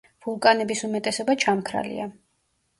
ვულკანების უმეტესობა ჩამქრალია.